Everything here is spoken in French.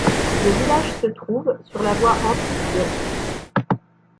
Le village se trouve sur la voie antique d'.